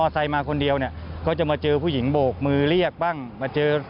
สวัสดีครับ